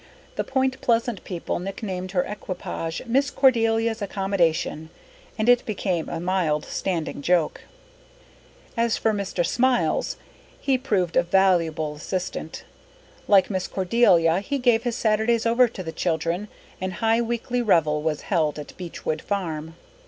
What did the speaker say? The Point Pleasant people nicknamed her equipage "Miss Cordelia's accommodation," and it became a mild standing joke. As for Mr. Smiles, he proved a valuable assistant. Like Miss Cordelia, he gave his Saturdays over to the children, and high weekly revel was held at Beechwood Farm.